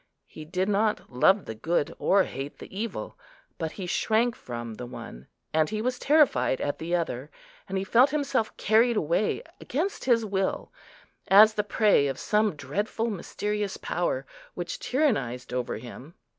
He did not love the good, or hate the evil; but he shrank from the one, and he was terrified at the other; and he felt himself carried away, against his will, as the prey of some dreadful, mysterious power, which tyrannised over him.